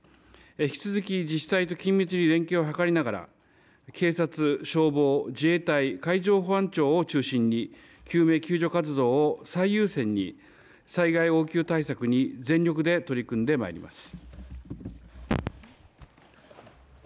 引き続き自治体と緊密に連携を図りながら、警察、消防、自衛隊、海上保安庁を中心に救命救助活動を最優先に災害応急対策に全力で取り組んでまいります。